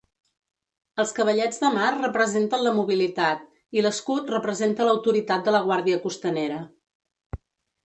Els cavallets de mar representen la mobilitat i l'escut representa l'autoritat de la guàrdia costanera.